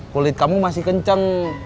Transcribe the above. kulit kamu masih kenceng